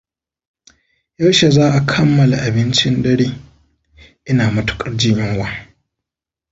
Yaushe za a kammala abincin dare? Ina matuƙar jin yunwa.